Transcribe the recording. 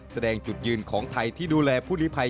แสดงจุดยืนของไทยที่ดูแลผู้ลิภัย